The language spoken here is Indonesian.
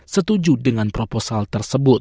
setuju dengan proposal tersebut